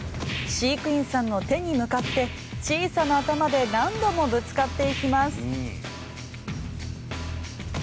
飼育員さんの手に向かって小さな頭で何度もぶつかっていきます。